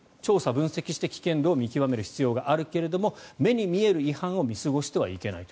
調査・分析して危険度を見極める必要があるけれども目に見える違反を見過ごしてはいけないと。